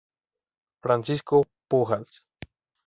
Francisco Pujals.